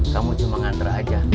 kamu cuma ngantre aja